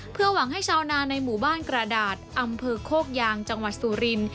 เพื่อหวังให้ชาวนาในหมู่บ้านกระดาษอำเภอโคกยางจังหวัดสุริน